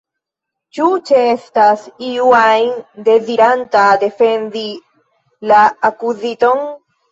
Ĉu ĉeestas iu ajn deziranta defendi la akuziton?